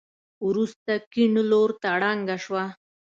وروسته کيڼ لورته ړنګه شوه.